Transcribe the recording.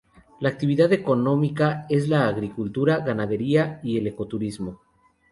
La actividad económica es la agricultura, ganadería y el ecoturismo.